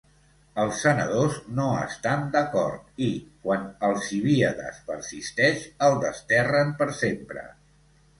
Els senadors no estan d'acord i, quan Alcibiades persisteix, el desterren per sempre.